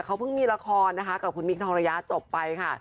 เขาเพิ่งมีละครนะคะกับคุณมิคทองระยะจบไปค่ะ